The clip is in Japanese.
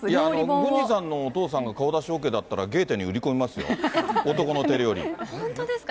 郡司さんのお父さんが顔出しＯＫだったら、ゲーテに売り込み本当ですか？